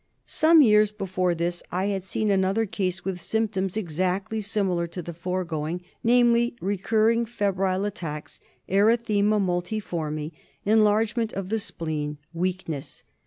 Some years before this I had seen another case with symptoms exactly similar to the foregoing, namely re curring febrile attacks, erythema multiforme, enlargement of the spleen, weakness.